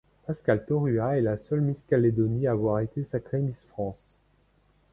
Pascale Taurua est la seule Miss Calédonie à avoir été sacrée Miss France.